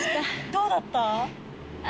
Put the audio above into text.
どうだった？